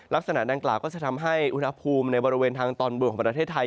ลักษณะดังกล่าวก็จะทำให้อุณหภูมิในบริเวณทางตอนบนของประเทศไทย